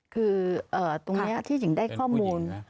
คือตรงนี้ที่หญิงได้ข้อมูล